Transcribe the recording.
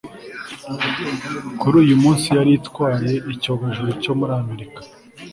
kuri uyu munsi yari itwaye icyogajuru cyo muri amerika